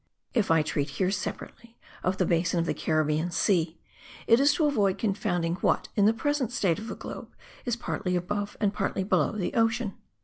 If I treat here separately of the basin of the Caribbean Sea, it is to avoid confounding what, in the present state of the globe, is partly above and partly below the ocean.